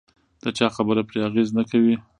د چا خبره پرې اغېز نه کوي.